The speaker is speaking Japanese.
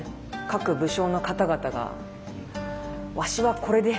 各武将の方々がわしはこれで！